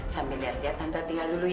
sambil lihat lihat tante tinggal dulu